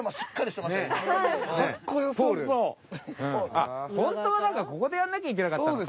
あっホントはなんかここでやんなきゃいけなかったのか。